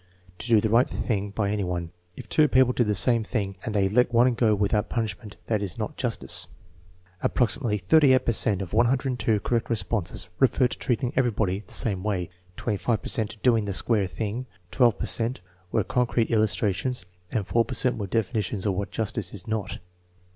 "To do the right thing by any one." "If two people do the same thing and they let one go without pun ishing, that is not justice." Approximately 38 per cent of 102 correct responses referred to treating everybody the same way; 25 per cent to "doing the square thing"; 12 per cent were concrete illustrations; and 4 per cent were definitions of what justice is not.